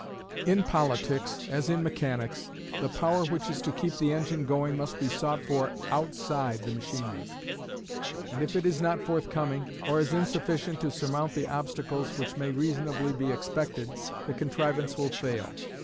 In politics, as in mechanics, the power which is to keep the engine going must be sought for outside the machinery; and if it is not forthcoming, or is insufficient to surmount the obstacles which may reasonably be expected, the contrivance will fail.